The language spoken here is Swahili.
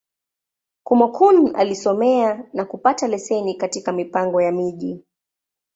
Kúmókụn alisomea, na kupata leseni katika Mipango ya Miji.